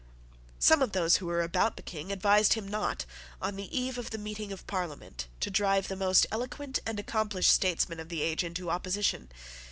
Some of those who were about the King advised him not, on the eve of the meeting of Parliament, to drive the most eloquent and accomplished statesman of the age into opposition.